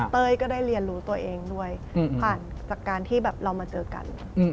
เต้ยก็ได้เรียนรู้ตัวเองด้วยผ่านจากการที่แบบเรามาเจอกัน